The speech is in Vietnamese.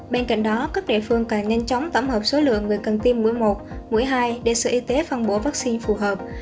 bên cạnh đó các địa phương càng nhanh chóng tổng hợp số lượng người cần tiêm mũi một mũi hai để sở y tế phân bổ vaccine phù hợp